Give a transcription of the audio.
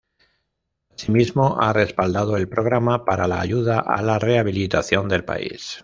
Asimismo ha respaldado el programa para la ayuda a la rehabilitación del país.